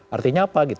artinya apa gitu